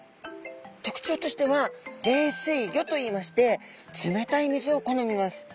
特徴としては冷水魚といいまして冷たい水を好みます。